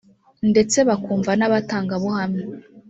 ndetse bakumva n abatangabuhamya